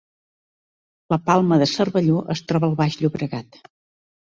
La Palma de Cervelló es troba al Baix Llobregat